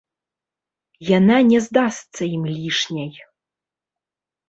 Яна не здасца ім лішняй.